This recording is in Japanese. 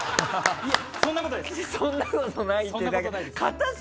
そんなことないです！